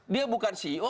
dia bukan ceo